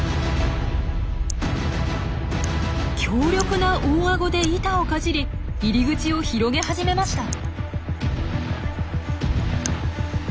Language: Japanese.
強力な大アゴで板をかじり入り口を広げ始めました。